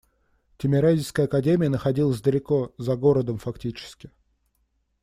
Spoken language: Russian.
Тимирязевская академия находилась далеко, за городом фактически.